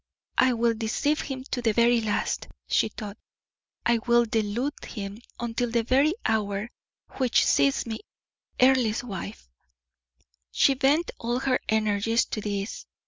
"I will deceive him to the very last," she thought. "I will delude him until the very hour which sees me Earle's wife." She bent all her energies to this.